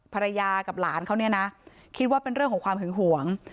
ภรรยากับหลานเขาเนี่ยนะคิดว่าเป็นเรื่องของความหึงหวง